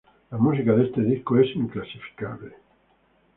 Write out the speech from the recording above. La música de este disco es inclasificable.